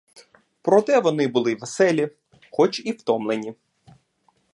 Проте вони були веселі, хоч і втомлені.